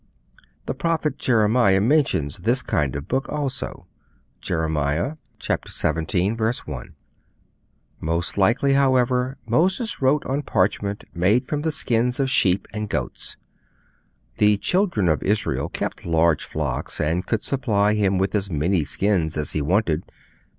The prophet Jeremiah mentions this kind of book also. (Jeremiah xvii. 1.) Most likely, however, Moses wrote on parchment made from the skins of sheep and goats. The Children of Israel kept large flocks, and could supply him with as many skins as he wanted.